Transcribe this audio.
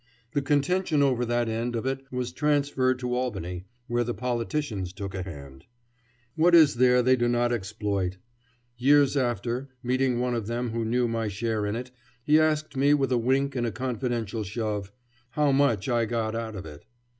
The contention over that end of it was transferred to Albany, where the politicians took a hand. What is there they do not exploit? Years after, meeting one of them who knew my share in it, he asked me, with a wink and a confidential shove, "how much I got out of it."